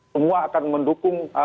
semua akan mendukung